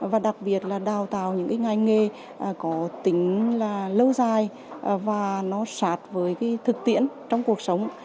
và đặc biệt là đào tạo những ngành nghề có tính lâu dài và nó sạt với thực tiễn trong cuộc sống